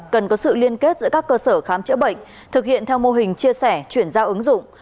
cần có sự liên kết giữa các cơ sở khám chữa bệnh thực hiện theo mô hình chia sẻ chuyển giao ứng dụng